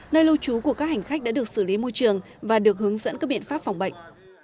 nơi lưu trú của các hành khách đã được xử lý môi trường và được hướng dẫn các biện pháp phòng bệnh